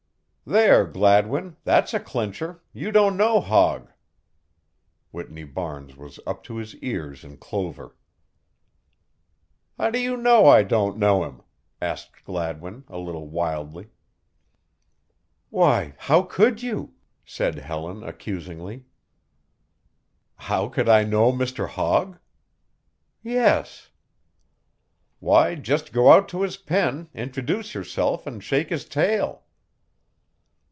"There, Gladwin that's a clincher you don't know Hogg." Whitney Barnes was up to his ears in clover. "How do you know I don't know him?" asked Gladwin, a little wildly. "Why, how could you?" said Helen, accusingly. "How could I know Mr. Hogg?" "Yes." "Why, just go out to his pen, introduce yourself and shake his tail."